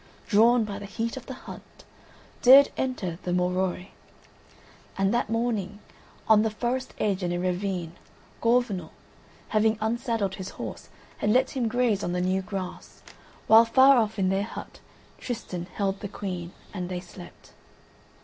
drawn by the heat of the hunt, dared enter the Morois. And that morning, on the forest edge in a ravine, Gorvenal, having unsaddled his horse, had let him graze on the new grass, while far off in their hut Tristan held the Queen, and they slept.